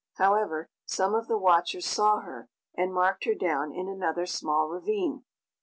However, some of the watchers saw her, and marked her down in another small ravine.